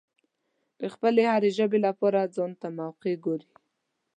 د خپلې هرې ژبې لپاره ځانته موقع ګوري.